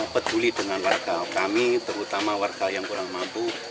peduli dengan warga kami terutama warga yang kurang mampu